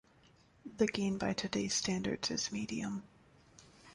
The gain by today's standards is medium.